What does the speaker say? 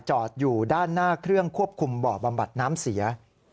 จอดอยู่ด้านหน้าเครื่องควบคุมบ่อบำบัดน้ำเสีย